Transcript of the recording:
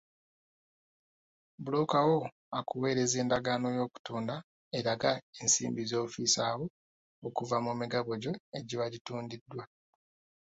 Bbulooka wo akuweereza endagaano y'okutunda, eraga ensimbi z'ofissaawo okuva mu migabo gyo egiba gitundiddwa.